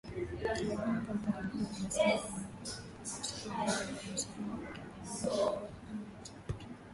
Lakini kampuni hizo zinasema wanadai zaidi ya shilingi bilioni ishirini za Kenya (Dola mia moja sabini na tatu milioni).